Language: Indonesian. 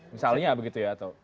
misalnya begitu ya atau